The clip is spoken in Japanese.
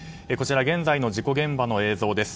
現在の事故現場の映像です。